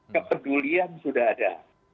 kepedulian sudah ada